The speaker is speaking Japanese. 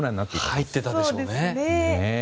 入ってたでしょうね。